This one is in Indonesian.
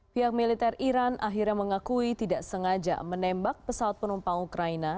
pihak militer iran akhirnya mengakui tidak sengaja menembak pesawat penumpang ukraina